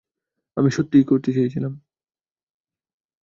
আমি সত্যিই করতে চেয়েছিলাম।